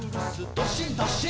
どっしんどっしん」